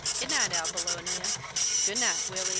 Good night, Abilonia. Good night, Willy."